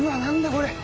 これ。